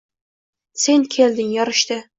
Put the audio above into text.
Sen kelding, yorishdi